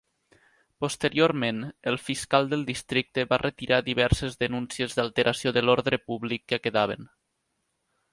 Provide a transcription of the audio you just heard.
Posteriorment, el fiscal del districte va retirar diverses denúncies d'alteració de l'ordre públic que quedaven.